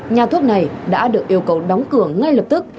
nhà thuốc này đã được yêu cầu đóng cửa ngay lập tức